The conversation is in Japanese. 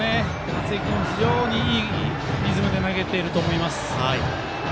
松井君、いいリズムで投げていると思います。